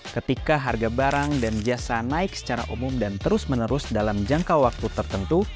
ketika harga barang dan jasa naik secara umum dan terus menerus dalam jangka waktu tertentu